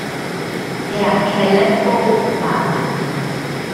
Herr Kellett-Bowman.